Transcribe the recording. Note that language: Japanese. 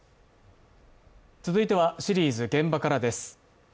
続いてはシリーズ「現場から」です。